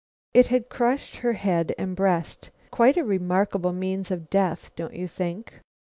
It had crushed her head and breast. Quite a remarkable means of death, don't you think?